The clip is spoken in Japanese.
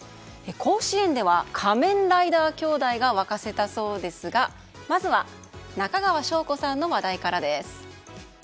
甲子園では仮面ライダー兄弟が沸かせたそうですがまずは、中川翔子さんの話題から。